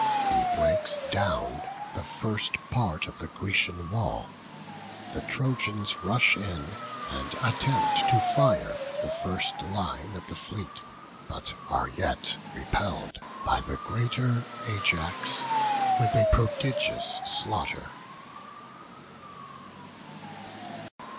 He breaks down the first part of the Grecian wall; the Trojans rush in, and attempt to fire the first line of the fleet, but are yet repelled by the greater Ajax with a prodigious slaughter.